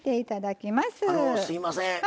あのすいません。